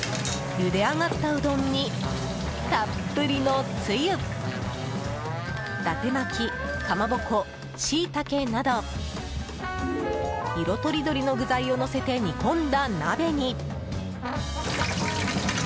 ゆで上がったうどんにたっぷりのつゆ伊達巻き、かまぼこシイタケなど色とりどりの具材をのせて煮込んだ鍋に。